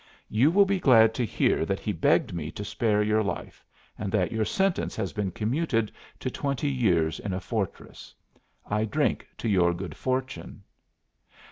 You will be glad to hear that he begged me to spare your life, and that your sentence has been commuted to twenty years in a fortress. I drink to your good fortune."